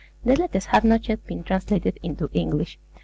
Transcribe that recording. The letters have not yet been translated into English.